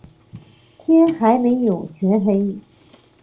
天还没全黑